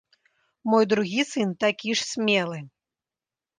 Мой другі сын такі ж смелы.